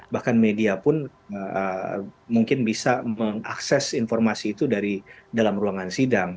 bahkan media pun mungkin bisa mengakses informasi itu dari dalam ruangan sidang